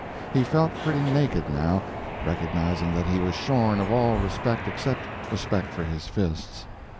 He felt pretty naked now, recognizing that he was shorn of all respect except respect for his fists.